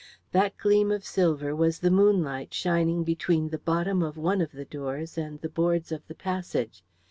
That gleam of silver was the moonlight shining between the bottom of one of the doors and the boards of the passage.